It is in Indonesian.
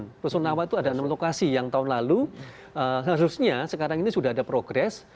di rusun nawa itu ada enam lokasi yang tahun lalu seharusnya sekarang ini sudah ada progres